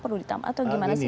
atau gimana sih